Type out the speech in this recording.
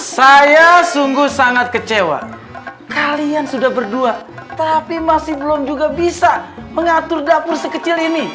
saya sungguh sangat kecewa kalian sudah berdua tapi masih belum juga bisa mengatur dapur sekecil ini